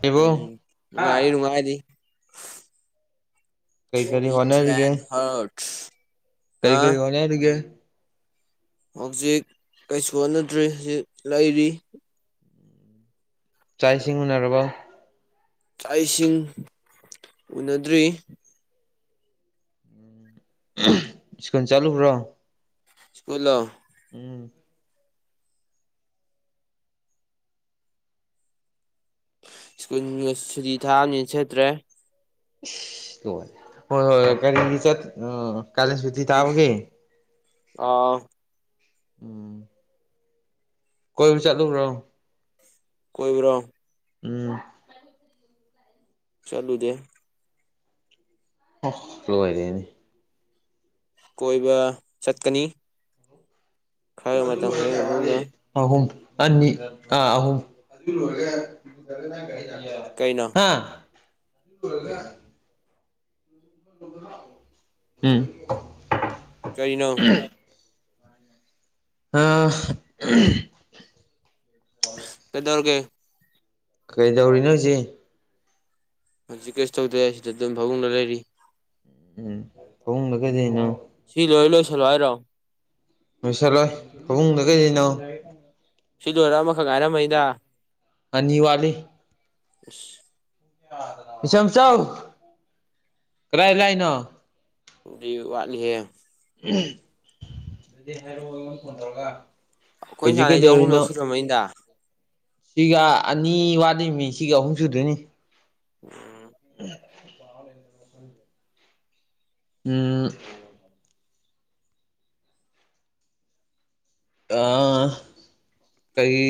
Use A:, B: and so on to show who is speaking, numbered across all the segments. A: of
B: ꯎꯝ [unintelligible]
A: ꯀꯩ ꯀꯔꯤ ꯍꯣꯠꯅꯔꯤꯒꯦ
B: ꯑꯥꯠꯁ
A: ꯀꯔꯤ ꯀꯔꯤ ꯍꯣꯠꯅꯔꯤꯒꯦ
B: ꯍꯧꯖꯤꯛ ꯀꯩꯁꯨ ꯍꯣꯠꯅꯗ꯭ꯔꯤ ꯍꯧꯖꯤꯛ ꯂꯩꯔꯤ
A: ꯆꯥꯛ ꯏꯁꯤꯡ ꯎꯅꯔꯕ
B: ꯆꯥꯛꯏꯁꯤꯡ ꯎꯅꯗ꯭ꯔꯤ
A: [unintelligible] ꯁ꯭ꯀꯨꯜ ꯆꯠꯂꯨꯕ꯭ꯔꯣ
B: ꯁ꯭ꯀꯨꯜ ꯂꯣ
A: ꯎꯝ
B: ꯁ꯭ꯀꯨꯜꯒ ꯁꯨꯇꯤ ꯊꯥꯅꯤꯅ ꯁꯦꯠꯇ꯭ꯔꯦ
A: ꯢꯁ ꯂꯣꯏꯔꯦ ꯍꯣꯏ ꯍꯣꯏ [unintelligible] ꯀꯂꯦꯟꯁꯨꯇꯤ ꯇꯕꯒꯦ
B: ꯑꯥꯎ
A: ꯎꯝ ꯀꯣꯏꯕ ꯆꯠꯂꯨꯕ꯭ꯔꯣ
B: ꯀꯣꯏꯕ꯭ꯔꯣ
A: ꯎꯝ
B: ꯆꯠꯂꯨꯗꯦ
A: ꯂꯣꯢꯔꯦꯅꯦ
B: ꯀꯣꯏꯕ ꯆꯠꯀꯅꯤ ꯈꯔ ꯃꯇꯝ
A: ꯑꯣꯏ
B: ꯈꯔꯒꯤ ꯃꯇꯨꯡꯗ
A: ꯑꯋꯥꯒꯦ [inaudible] ꯑꯍꯨꯝ ꯑꯅꯤ ꯑꯥ ꯑꯍꯨꯝ
B: ꯀꯩꯅꯣ
A: ꯍꯥ ꯄ [inaudible]
B: ꯀꯔꯤꯅꯣ
A: ꯑꯥ
B: ꯀꯩꯗꯧꯔꯒꯦ
A: ꯀꯩꯗꯧꯔꯤ ꯅꯣ ꯍꯧꯖꯤꯛ
B: ꯍꯧꯖꯤꯛ ꯀꯩꯁꯨ ꯇꯧꯗ꯭ꯔꯦ ꯁꯤꯗ ꯑꯗꯨꯝ ꯐꯥꯕꯨꯡꯗ ꯂꯩꯔꯤ
A: ꯎꯝ ꯐꯃꯨꯡꯗ ꯀꯩꯗꯧꯔꯤꯅꯣ
B: ꯁꯤ ꯂꯣꯏ ꯂꯣꯏꯁꯤꯜꯂꯣ ꯍꯥꯏꯔꯣ
A: ꯂꯣꯏꯁꯤꯜꯂꯣꯏ ꯐꯕꯨꯡꯗ ꯀꯩꯗꯧꯔꯤꯅꯣ
B: ꯁꯤ ꯂꯣꯏꯔ ꯑꯃꯈꯛ ꯉꯥꯏꯔꯝꯅꯤꯗ
A: ꯑꯅꯤ ꯋꯥꯠꯂꯤ
B: ꯑꯁ
A: ꯏꯝꯆꯧ ꯀꯗꯥꯥꯏ ꯂꯥꯛꯢꯅꯣ
B: ꯑꯗꯨꯗꯤ ꯋꯥꯠꯂꯤꯍꯦ
A: ꯑꯗꯨꯗꯤ ꯍꯥꯏꯔꯛꯑꯣ ꯑꯩꯉꯣꯟꯗ ꯐꯣꯟ ꯇꯧꯔꯛꯑꯒ
B: ꯑꯩꯈꯣꯏꯅ ꯁꯥꯟꯅꯩꯁꯦ ꯑꯍꯨꯝꯂꯛ ꯁꯨꯔꯝꯃꯅꯤꯗ
A: ꯁꯤꯒ ꯑꯅꯤ ꯋꯥꯠꯅꯤ ꯃꯤ ꯁꯤꯒ ꯑꯍꯨꯝ ꯁꯨꯗꯣꯏꯅꯤ
B: ꯑꯝ
A: ꯎ [inaudible] ꯎꯝ ꯑꯥ ꯀꯔꯤ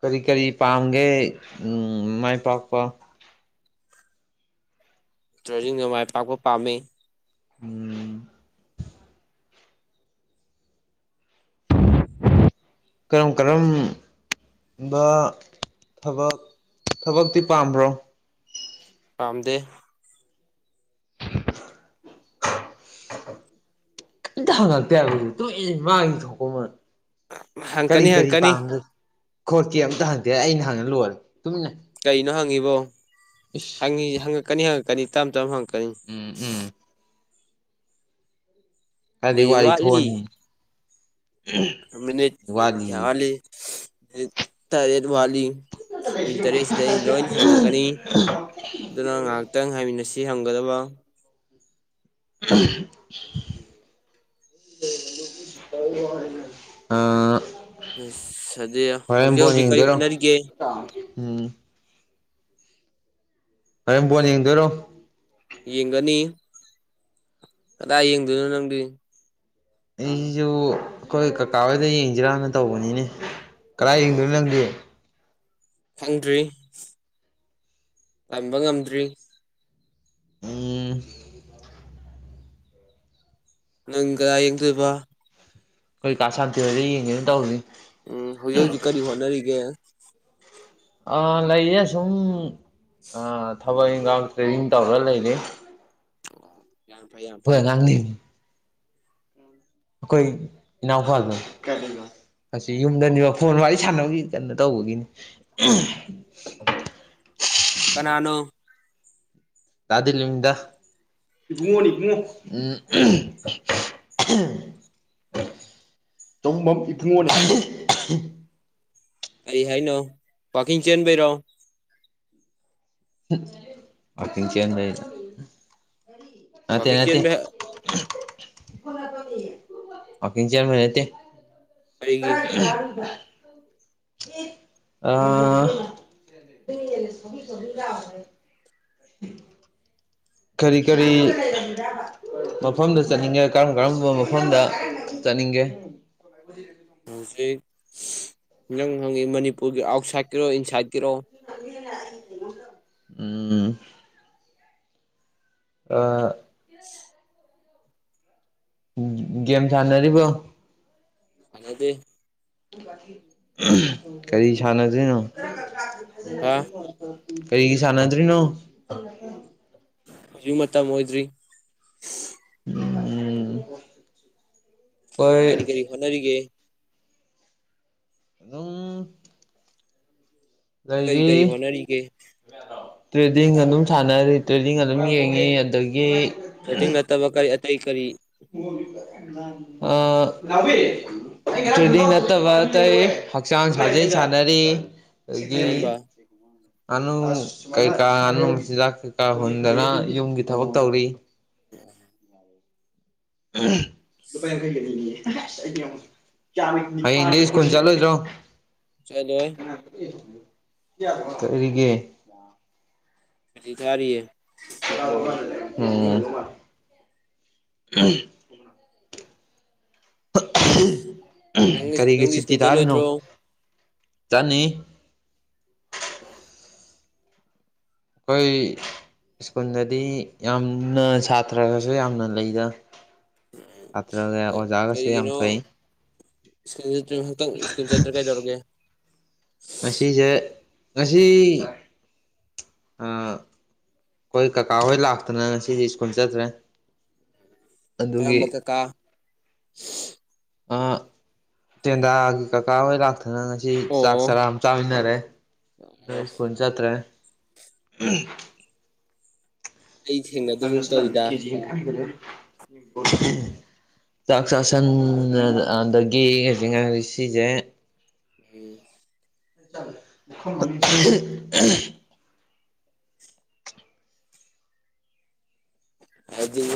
A: ꯀꯔꯤ ꯀꯔꯤ ꯄꯥꯝꯒꯦ ꯃꯥꯏ ꯄꯥꯛꯄ
B: ꯇ꯭ꯔꯦꯗꯤꯡꯗ ꯃꯥꯏ ꯄꯥꯛꯄ ꯄꯥꯝꯃꯤ
A: ꯎꯝ ꯀꯔꯝ ꯀꯔꯝ ꯊꯕꯛ ꯊꯕꯛ ꯊꯕꯛꯇꯤ ꯄꯥꯝꯕ꯭ꯔꯣ
B: ꯄꯥꯝꯗꯦ
A: ꯑꯝꯇ ꯍꯪꯉꯛꯇꯦ ꯍꯥꯏꯕ ꯇꯣꯏ ꯃꯥꯒꯤ ꯊꯣꯛꯄ ꯑꯃ ꯀꯔꯤ
B: ꯍꯪꯀꯅꯤ
A: ꯀꯔꯤ
B: ꯍꯪꯀꯅꯤ
A: ꯄꯥꯝꯒꯦ ꯈꯣꯠꯀꯦ ꯑꯝꯇ ꯍꯪꯗꯦ ꯑꯩꯅ ꯍꯪꯅ ꯂꯣꯢꯔꯦ ꯇꯨꯃꯤꯟꯅ
B: ꯀꯩꯅꯣ ꯍꯪꯉꯤꯕꯣ
A: ꯏꯁ
B: ꯍꯪꯉ ꯍꯪꯉꯛꯀꯅꯤ ꯍꯪꯉꯛꯀꯅꯤ ꯇꯞ ꯇꯞꯅ ꯍꯪꯉꯛꯀꯅꯤ
A: ꯎꯝ ꯍꯨꯝ ꯈꯔꯗꯤ
B: ꯃꯤꯅꯤꯠ
A: ꯋꯥꯔꯤ
B: ꯋꯥꯠꯂꯤ
A: ꯊꯣꯛꯑꯅꯤ
B: ꯃꯤꯅꯤꯠ ꯀꯌꯥ
A: ꯋꯥꯠꯂꯤꯌꯦ
B: ꯋꯥꯠꯂꯤ ꯇꯥꯔꯦꯠ ꯋꯥꯠꯂꯤ ꯃꯤꯅꯤꯠ ꯇꯔꯦꯠꯁꯤꯗ ꯑꯩꯅ ꯂꯣꯏ ꯍꯪꯉꯛꯑꯒꯅꯤ ꯑꯗꯨꯅ ꯉꯥꯏꯍꯥꯛꯇꯪ ꯉꯥꯢꯃꯤꯟꯅꯁꯤ ꯍꯪꯒꯗꯕ
A: [unintelligible] ꯑꯥ
B: ꯑꯗꯝꯁ ꯑꯗꯤ
A: ꯍꯣꯔꯦꯟ
B: ꯍꯧꯖꯤꯛ
A: ꯕꯣꯜ
B: ꯍꯧꯖꯤꯛ ꯀꯔꯤ
A: ꯌꯦꯡꯗꯣꯏꯔꯣ
B: ꯍꯣꯠꯅꯔꯤꯒꯦ
A: ꯎꯝ ꯍꯣꯔꯦꯟ ꯕꯣꯜ ꯌꯦꯡꯗꯣꯏꯔꯣ
B: ꯌꯦꯡꯒꯅꯤ ꯀꯗꯥꯏ ꯌꯦꯡꯗꯣꯏꯅꯣ ꯅꯪꯗꯤ
A: ꯑꯩꯖꯨ ꯑꯈꯣꯏ ꯀꯀꯥ ꯍꯣꯏꯗ ꯌꯦꯡꯖꯤꯔꯥꯅ ꯇꯧꯕꯅꯤꯅꯦ ꯀꯗꯥꯏ
B: ꯑꯣ
A: ꯌꯦꯡꯗꯣꯏꯅꯣ ꯅꯪꯗꯤ
B: ꯈꯪꯗ꯭ꯔꯤ ꯇꯝꯕ ꯉꯝꯗ꯭ꯔꯤ
A: ꯎꯝ
B: ꯅꯪ ꯀꯗꯥꯏ ꯌꯦꯡꯗꯣꯏꯕ
A: ꯑꯈꯣꯏ ꯀꯥꯥ ꯁꯥꯟꯇꯤ ꯍꯣꯏꯗ ꯌꯦꯡꯒꯦꯅ ꯇꯧꯔꯤ
B: ꯎꯝ ꯍꯧꯖꯤꯛ ꯍꯧꯖꯤꯛ ꯀꯔꯤ ꯍꯣꯠꯅꯔꯤꯒꯦ
A: ꯑꯥ ꯂꯩꯌꯦ ꯑꯁꯨꯝ ꯑꯥ ꯊꯕꯛ
B: ꯎꯝ
A: ꯏꯟꯈꯥꯡ ꯇ꯭ꯔꯦꯗꯤꯡ ꯇꯧꯔ ꯂꯩꯔꯤ
B: ꯌꯥꯝ ꯐꯩ ꯌꯥꯝ
A: ꯈꯣꯏ
B: ꯐꯩ
A: ꯑꯉꯥꯡꯅꯦꯃꯤ ꯑꯈꯣꯏ ꯏꯅꯥꯎꯄꯥꯥꯗꯣ ꯀꯥꯏ ꯂꯩꯕ ꯑꯁꯤ ꯌꯨꯝꯗꯅꯤꯕ ꯐꯣꯟ ꯋꯥꯔꯤ ꯁꯥꯟꯅꯕꯒꯤ ꯀꯩꯅꯣ ꯇꯧꯕꯒꯤꯅꯤ ꯎꯝ
B: ꯀꯅꯥꯅꯣ
A: ꯗꯥ ꯗꯤꯂꯤꯞꯅꯤꯗ ꯏꯕꯨꯡꯉꯣꯅꯤ ꯏꯕꯨꯡꯉꯣ ꯎꯝ ꯎꯝ [unintelligible] ꯆꯕꯨꯡꯕꯝ ꯏꯕꯨꯡꯉꯣ ꯅꯤ
B: ꯀꯔꯤ ꯍꯥꯏꯅꯣ ꯋꯥꯛꯀꯤꯡ ꯆꯦꯟꯕꯩꯔꯣ
A: ꯋꯥꯀꯤꯡ ꯆꯦꯟꯕꯩ ꯅꯠꯇꯦ
B: ꯋꯥꯛꯀꯤꯡ
A: ꯅꯠꯇꯦ
B: ꯆꯦꯟꯕ
A: ꯎꯐꯛ ꯅꯞꯄꯝꯃꯦꯌꯦ ꯋꯥꯛꯀꯤꯡ ꯆꯦꯟꯕꯩ ꯅꯠꯇꯦ
B: ꯑꯩꯒꯤ
A: ꯀꯔꯥꯏꯗ ꯀꯥꯔꯨ [unintelligible] [unintelligible] ꯑꯥ [unintelligible] ꯀꯔꯤ ꯀꯔꯤ ꯃꯐꯝꯗ ꯆꯠꯅꯤꯡꯒꯦ ꯀꯔꯝ ꯀꯔꯝꯕ ꯃꯐꯝꯗ ꯆꯠꯅꯤꯡꯒꯦ
B: ꯍꯧꯖꯤꯛ ꯅꯪ ꯍꯪꯉꯤ ꯃꯅꯤꯄꯨꯔꯒꯤ ꯑꯥꯎꯠꯁꯥꯏꯠꯀꯤꯔꯣ ꯏꯟꯁꯥꯏꯠꯀꯤꯔꯣ
A: [unintelligible] ꯎꯝ ꯑꯥ
B: [unintelligible]
A: ꯎꯝ ꯒꯦꯝ ꯁꯥꯟꯅꯔꯤꯕꯣ
B: ꯁꯥꯟꯅꯗꯦ
A: ꯎꯝ ꯀꯔꯤ ꯁꯥꯟꯅꯗꯣꯏꯅꯣ
B: ꯍꯥ
A: [unintelligible] ꯀꯔꯤꯒꯤ ꯁꯥꯟꯅꯗ꯭ꯔꯤꯅꯣ [unintelligible]
B: ꯍꯧꯖꯤꯛ ꯃꯇꯝ ꯑꯣꯏꯗ꯭ꯔꯤ
A: ꯎꯝ
B: ꯀꯔꯤ
A: ꯑꯩꯈꯣꯏ
B: ꯀꯔꯤ ꯍꯣꯠꯅꯔꯤꯒꯦ
A: ꯑꯗꯨꯝ
B: ꯀꯔꯤ ꯀꯔꯤ
A: ꯂꯩꯩꯔꯤ
B: ꯍꯣꯠꯅꯔꯤꯒꯦ
A: ꯇ꯭ꯔꯦꯗꯤꯡ ꯑꯗꯨꯝ ꯁꯥꯟꯅꯔꯤ ꯇ꯭ꯔꯦꯗꯤꯡ ꯑꯗꯨꯝ ꯌꯦꯡꯉꯤ ꯑꯗꯒꯤ
B: ꯇ꯭ꯔꯦꯗꯤꯡ ꯅꯠꯇꯕ ꯀꯔꯤ ꯑꯇꯩ ꯀꯔꯤ
A: [unintelligible] ꯑꯥ ꯅꯥꯎꯕꯤ ꯇ꯭ꯔꯦꯗꯤꯡ ꯅꯠꯇꯕ ꯑꯇꯩ ꯍꯛꯆꯥꯡ ꯁꯥꯖꯦꯜ ꯁꯥꯥꯟꯅꯔꯤ ꯑꯗꯒꯤ
B: ꯀꯔꯝꯕ
A: ꯉꯥꯅꯨ ꯀꯩꯀꯥ ꯉꯥꯅꯨ ꯃꯆꯤꯟꯖꯥꯛ ꯀꯩꯀꯥ ꯍꯨꯟꯗꯅ ꯌꯨꯝꯒꯤ ꯊꯕꯛ ꯇꯧꯔꯤ ꯎꯝ ꯂꯨꯄꯥ ꯌꯥꯡꯈꯩꯒꯤ ꯑꯅꯤꯅꯤꯌꯦ [unintelligible] ꯍꯌꯦꯡꯗꯤ ꯁ꯭ꯀꯨꯜ ꯆꯠꯂꯣꯏꯗ꯭ꯔꯣ
B: ꯆꯠꯂꯣꯏ
A: [unintelligible]
B: ꯁꯨꯇꯤ ꯊꯥꯔꯤꯌꯦ
A: ꯎꯝ
B: ꯅꯪ
A: ꯀꯔꯤꯒꯤ
B: ꯅꯪꯗꯤ
A: ꯆꯤꯠꯇꯤ
B: ꯁ꯭ꯀꯨꯜ
A: ꯇꯥꯔꯤꯅꯣ
B: ꯆꯠꯂꯣꯏꯗ꯭ꯔꯣ
A: ꯆꯠꯅꯤ
B: [inaudible]
A: ꯈꯣꯏ ꯁ꯭ꯀꯨꯟꯗꯗꯤ ꯌꯥꯝꯅ ꯁꯥꯇ꯭ꯔꯒꯁꯨ ꯌꯥꯝꯅ ꯂꯩꯗ ꯁꯇ꯭ꯔꯒ ꯑꯣꯖꯥꯒꯁꯨ ꯌꯥꯝ ꯐꯩ
B: [unintelligible] ꯍꯟꯇꯛ ꯁ꯭ꯀꯨꯟ ꯆꯠꯇ꯭ꯔꯦ ꯀꯥꯏꯗꯧꯔꯒꯦ
A: ꯉꯁꯤꯖꯦ ꯉꯁꯤ ꯑꯥ ꯈꯣꯏ ꯀꯀꯥ ꯍꯣꯏ ꯂꯥꯛꯇꯅ ꯉꯁꯤꯗꯤ ꯁ꯭ꯀꯨꯜ ꯆꯠꯇ꯭ꯔꯦ ꯑꯗꯨꯒꯤ
B: ꯀꯔꯝꯕ ꯀꯀꯥ
A: ꯑ ꯇꯦꯟꯗꯥꯒꯤ ꯀꯀꯥꯍꯣꯏ ꯂꯥꯛ ꯑꯗꯨꯅ ꯉꯁꯤ ꯆꯥꯛ
B: ꯑꯣ
A: ꯆꯔꯥ ꯑꯃ ꯆꯥꯃꯤꯟꯅꯔꯦ
B: ꯑꯣ
A: ꯆꯇ꯭ꯔꯦ ꯎꯝ
B: ꯑꯩ ꯊꯦꯡꯅ
A: [unintelligible] ꯆꯥꯛ ꯆꯥꯁꯟꯅ ꯑꯗꯒꯤ ꯍꯧꯖꯤ ꯉꯥꯏꯔꯤ ꯁꯤꯖꯦ
B: ꯎꯝ
A: [unintelligible]
B: ꯍꯥꯏꯗꯤ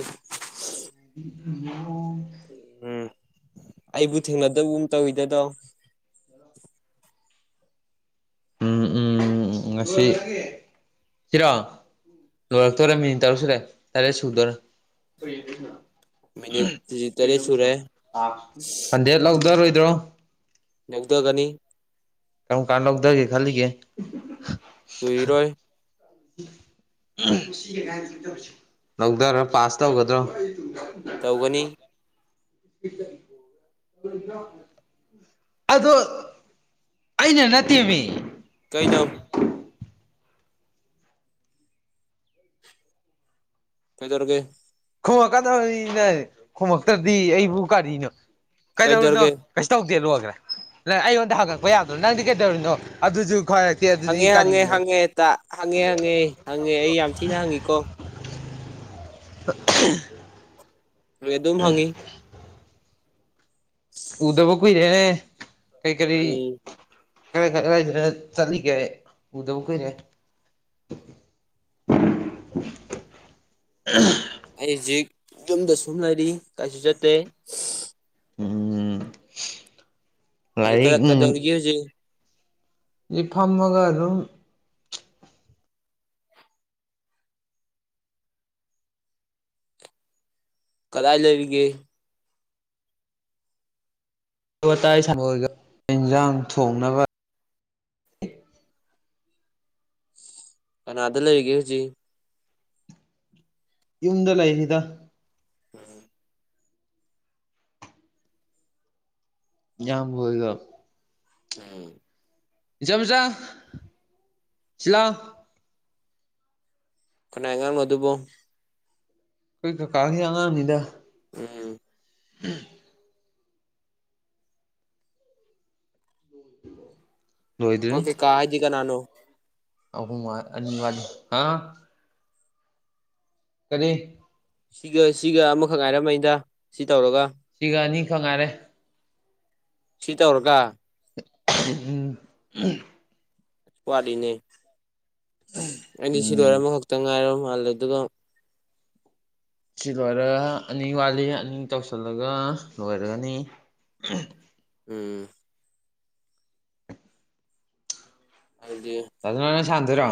A: [unintelligible]
B: ꯎꯝ ꯑꯩꯕꯨ ꯊꯦꯡꯅꯗꯕꯨꯝ ꯇꯧꯋꯤꯗꯗꯣ
A: [inaudible] ꯎꯝ ꯎꯝ ꯎꯝ ꯉꯁꯤ ꯁꯤꯔꯥ ꯂꯣꯏꯔꯛꯇꯣꯏꯣꯔꯦ ꯃꯤꯅꯤꯠ ꯇꯔꯨꯛ ꯁꯨꯔꯦ ꯇꯔꯦꯠ ꯁꯨꯗꯣꯔꯦ
B: ꯃꯤꯅꯤꯠ ꯍꯧꯖꯤꯛ ꯇꯔꯦꯠ ꯁꯨꯔꯦ
A: [unintelligible] ꯍꯟꯗꯦꯠ ꯂꯧꯗꯔꯣꯏꯗ꯭ꯔꯣ
B: ꯂꯧꯗꯒꯅꯤ
A: ꯀꯝꯀꯥꯟ ꯂꯧꯁꯒꯦ ꯈꯜꯂꯤꯒꯦ
B: ꯀꯨꯏꯔꯣꯏ
A: ꯂꯧꯗꯔ ꯄꯥꯁ ꯇꯧꯒꯗ꯭ꯔꯣ
B: ꯇꯧꯒꯅꯤ
A: ꯑꯗꯣ ꯑꯩꯅ ꯅꯠꯇꯦꯃꯤ
B: ꯀꯩꯅꯣ ꯐꯩꯗꯧꯔꯒꯦ
A: [unintelligible] ꯈꯨꯝꯃꯛꯛꯇ꯭ꯔꯗꯤ ꯑꯩꯕꯨ ꯀꯔꯤꯅꯣ ꯀꯩꯗꯧꯔꯤꯅꯣ
B: ꯀꯩꯗꯧꯔꯒꯦ
A: ꯀꯩꯁ ꯇꯧꯗꯦ ꯂꯣꯏꯒ꯭ꯔꯦ ꯂꯦ ꯑꯩꯉꯣꯟꯗ ꯍꯪꯉꯛꯄ ꯌꯥꯗ꯭ꯔꯣ ꯅꯪꯗꯤ ꯀꯩꯗꯧꯔꯤꯅꯣ ꯑꯗꯨꯁꯨ ꯈ
B: ꯍꯪꯉꯦ ꯍꯪꯉꯦ ꯍꯪꯉꯦꯇ ꯍꯪꯉꯦ ꯍꯪꯉꯦ ꯍꯪꯉꯦ ꯑꯩ ꯌꯥꯝ ꯊꯤꯅ ꯍꯪꯉꯤꯀꯣ
A: [inaudible]
B: [unintelligible]
A: ꯎꯗꯕ ꯀꯨꯏꯔꯦꯍꯦ ꯀꯩ ꯀꯔꯤ
B: ꯎꯝ
A: [unintelligible] ꯆꯠꯂꯤꯒꯦ ꯎꯗꯕꯨ ꯀꯨꯏꯔꯦ [inaudible]
B: ꯑꯩ ꯍꯧꯖꯤꯛ ꯌꯨꯝꯗ ꯁꯨꯝꯂꯩꯔꯤ ꯀꯩꯁꯨ ꯆꯠꯇꯦ
A: ꯎꯝ
B: ꯍ ꯀꯗ
A: ꯂꯥꯏꯔꯤꯛ ꯎꯝ
B: ꯀꯗꯧꯔꯤꯒꯦ ꯍꯧꯖꯤꯛ
A: ꯁꯤ ꯐꯝꯃꯒ ꯑꯗꯨꯝ
B: ꯀꯗꯥꯥꯏ ꯂꯩꯔꯤꯒꯦ
A: ꯋꯥꯇꯥꯏ ꯁꯥꯟꯅꯣꯏꯒ ꯏꯟꯖꯥꯡ ꯊꯣꯡꯅꯕ
B: ꯀꯥꯅꯗ ꯂꯩꯔꯤꯒꯦ ꯍꯧꯖꯤꯛ
A: ꯌꯨꯝꯗ ꯂꯩꯔꯤꯗ
B: ꯎꯝ
A: ꯏꯌꯥꯝꯕ ꯍꯣꯏꯒ
B: ꯎꯝ
A: ꯏꯖꯝꯖꯥ ꯁꯤꯂꯥꯎ
B: ꯀꯅꯥꯏ ꯑꯉꯥꯡꯅꯣ ꯑꯗꯨꯕꯣ
A: ꯑꯩꯈꯣꯏ ꯀꯥꯀꯥꯒꯤ ꯑꯉꯥꯡꯅꯤꯗ
B: ꯎꯝ
A: ꯎꯝ ꯂꯣꯏꯗ꯭ꯔꯤ
B: ꯅꯣꯏ ꯀꯥꯀꯥ ꯍꯥꯏꯗꯤ ꯀꯅꯥꯅꯣ
A: ꯑꯍꯨꯝ ꯋꯥꯠ ꯑꯅꯤꯋꯥꯠ ꯍꯥ ꯀꯔꯤ
B: ꯁꯤꯒ ꯁꯤꯒ ꯑꯃꯈꯛ ꯉꯥꯏꯔꯝꯃꯅꯤꯗ ꯁꯤ ꯇꯧꯔꯒ
A: ꯁꯤꯒ ꯑꯅꯤ ꯈꯛ ꯉꯥꯏꯔꯦ
B: ꯁꯤ ꯇꯧꯔꯒ
A: ꯎꯝ
B: ꯋꯥꯠꯂꯤꯅꯦ
A: ꯎꯝ
B: ꯑꯅꯤ ꯁꯤꯗꯣꯏꯔ ꯑꯃꯈꯛꯇ ꯉꯥꯏꯔ ꯃꯥꯜꯂꯦ ꯑꯗꯨꯒ
A: ꯁꯤ ꯂꯣꯏꯔꯒ ꯑꯅꯤ ꯋꯥꯠꯂꯤ ꯑꯅꯤ ꯇꯧꯁꯜꯂꯒ ꯂꯣꯏꯔꯒꯅꯤ
B: ꯎꯝ ꯑꯗꯨꯗꯤ
A: ꯑꯗꯨꯅꯅ ꯁꯥꯟꯗꯣꯏꯔ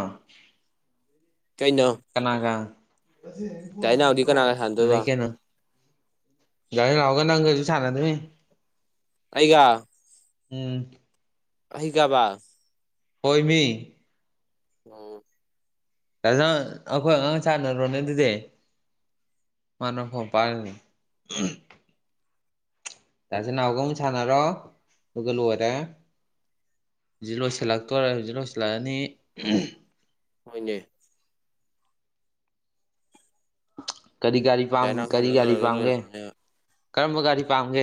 B: ꯀꯩꯅꯣ
A: ꯀꯅꯥ ꯀ
B: ꯗꯥꯏꯅꯥꯎꯗꯤ ꯀꯅꯥꯒ
A: ꯂꯩ
B: ꯁꯥꯟꯅꯗꯣꯏꯕ
A: ꯀꯦꯅ ꯒꯥꯔꯤ ꯂꯥꯎꯒ ꯅꯪꯒꯁꯤꯁꯨ ꯁꯥꯟꯅꯗꯔ꯭ꯤ
B: ꯑꯩꯒ
A: ꯎꯝ
B: ꯑꯩꯒꯕ
A: ꯍꯣꯏꯃꯤ
B: ꯎꯝ
A: [unintelligible] ꯑꯩꯈꯣꯏ ꯑꯉꯥꯡ ꯁꯥꯟꯅꯔꯣꯅꯦ ꯑꯗꯨꯗꯤ ꯃꯥꯅ ꯐꯣꯟ ꯄꯥꯏꯔꯥꯅꯤ ꯎꯝ ꯅꯆꯤꯟ ꯅꯥꯎꯗꯨ ꯃꯨꯛ ꯁꯥꯟꯅꯔꯣ ꯑꯗꯨꯒ ꯂꯣꯏꯔꯦ ꯍꯧꯖꯤ ꯂꯣꯏꯁꯤꯜꯂꯛꯇꯣꯔꯦ ꯍꯧꯖꯤꯛ ꯂꯣꯏꯁꯤꯜꯂꯛꯑꯅꯤ ꯎꯝ
B: ꯍꯣꯏꯅꯦ
A: ꯀꯔꯤ ꯒꯥꯔꯤ ꯄꯝ
B: ꯗꯥꯏꯅꯥ
A: ꯀꯔꯤ
B: ꯁꯥꯟꯅ
A: ꯒꯥꯔꯤ
B: ꯂꯣꯏꯔꯒ
A: ꯄꯥꯝꯒꯦ
B: ꯂꯣꯏꯔꯝꯅꯦꯕ
A: ꯀꯔꯝꯕ ꯒꯥꯔꯤ ꯄꯥꯝꯒꯦ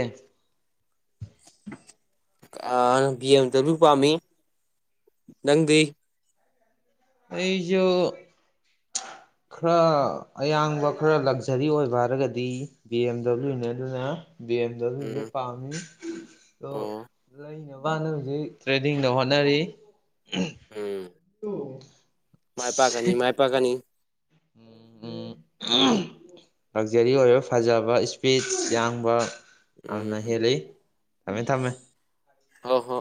B: ꯒ ꯑꯝ ꯕꯤ ꯑꯦꯝ ꯗꯕꯜꯌꯨ ꯄꯥꯝꯃꯤ ꯅꯪꯗꯤ
A: ꯑꯩꯖꯨ ꯈꯔ ꯑꯌꯥꯡꯕ ꯈꯔ ꯂꯛꯖꯔꯤ ꯑꯣꯏꯕ ꯍꯥꯏꯔꯒꯗꯤ ꯕꯤ ꯑꯦꯝ ꯗꯕ꯭ꯂꯤꯎꯅꯦ ꯑꯗꯨꯅ ꯕꯤ ꯑꯦꯝ ꯗꯕ꯭ꯂꯤꯎꯖꯦ
B: ꯎꯝ
A: ꯄꯥꯝꯃꯤ ꯑꯗꯣ
B: ꯑꯣ
A: ꯂꯩꯅꯕꯅ ꯍꯧꯖꯤꯛ ꯇ꯭ꯔꯦꯗꯤꯡꯗ ꯍꯣꯠꯅꯔꯤ
B: ꯎꯝ
A: [inaudible]
B: ꯃꯥꯏ ꯄꯥꯛꯀꯅꯤ ꯃꯥꯏ ꯄꯥꯛꯀꯅꯤ
A: ꯎꯝ ꯎꯝ [unintelligible] ꯂꯛꯖꯔꯤ ꯑꯣꯏꯕ ꯐꯖꯕ ꯏꯁꯄꯤꯠꯁ ꯌꯥꯡꯕ
B: ꯎꯝ
A: ꯌꯥꯝꯅ ꯍꯦꯜꯂꯤ ꯊꯃꯦ ꯊꯃꯦ
B: ꯍꯣꯍꯣ